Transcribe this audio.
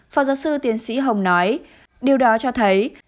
phó giáo sư tiến sĩ hồng nói điều đó cho thấy